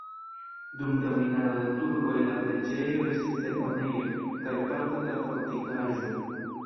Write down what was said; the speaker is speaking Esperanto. Dum dominado de turkoj la preĝejo estis deponejo kaj parto de la fortikaĵo.